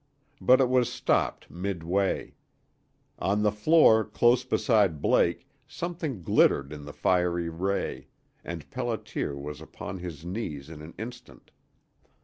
But it was stopped midway. On the floor close beside Blake something glittered in the fiery ray, and Pelliter was upon his knees in an instant.